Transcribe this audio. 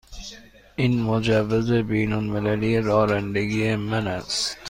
این مجوز بین المللی رانندگی من است.